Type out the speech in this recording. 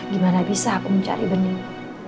gimana bisa aku mencari bening